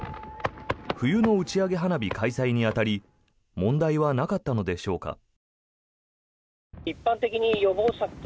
冬の打ち上げ花火開催に当たり問題はなかったのでしょうか。